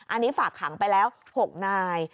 อันนี้ฝากขังไปแล้ว๖นาย